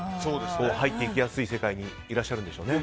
入っていきやすい世界にいらっしゃるでしょうね。